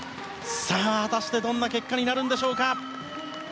果たしてどんな結果になるのでしょうか。